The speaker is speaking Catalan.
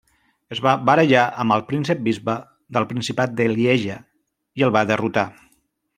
Es va barallar amb el príncep-bisbe del Principat de Lieja, i el va derrotar.